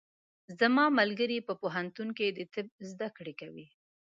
زما ملګری په پوهنتون کې د طب زده کړې کوي.